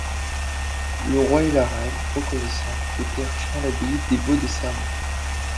Le roi et la reine, reconnaissants, dotèrent richement l'abbaye des Vaux de Cernay.